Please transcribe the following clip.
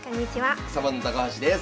サバンナ高橋です。